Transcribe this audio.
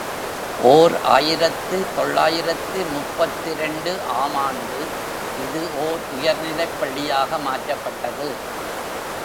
ஓர் ஆயிரத்து தொள்ளாயிரத்து முப்பத்திரண்டு ஆம் ஆண்டு இது ஓர் உயர் நிலைப்பள்ளியாக மாற்றப்பட்டது.